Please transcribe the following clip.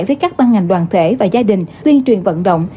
với các ban ngành đoàn thể và gia đình tuyên truyền vận động